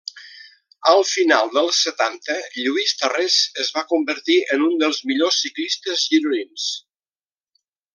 Al final dels setanta Lluís Tarrés es va convertir en un dels millors ciclistes gironins.